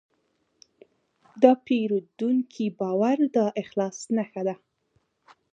د پیرودونکي باور د اخلاص نښه ده.